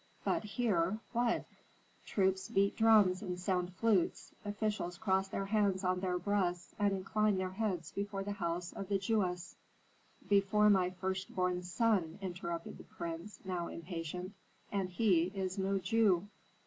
But here what? Troops beat drums and sound flutes; officials cross their hands on their breasts, and incline their heads before the house of the Jewess " "Before my first born son," interrupted the prince, now impatient, "and he is no Jew."